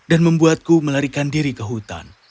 dan membuatku melarikan diri ke hutan